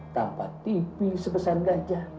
tanpa tv sebesar gajah